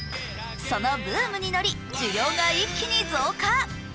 そのブームに乗り、需要が一気に増加。